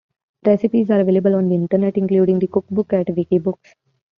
Recipes are available on the Internet, including the cookbook at Wikibooks.